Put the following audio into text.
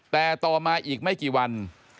แต่ต่อมาอีกไม่กี่วัน